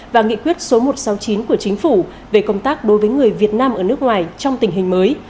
và nghị quyết số một trăm sáu mươi chín của chính phủ về công tác đối với người việt nam ở nước ngoài trong tình hình mới